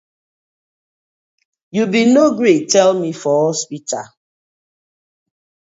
Yu been no gree tell me for hospital.